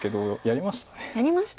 やりましたね。